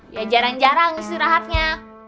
ya jarang jarang istirahatnya